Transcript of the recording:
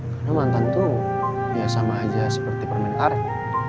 karena mantan tuh ya sama aja seperti permen karet